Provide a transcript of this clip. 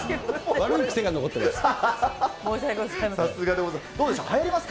悪い癖が残っています。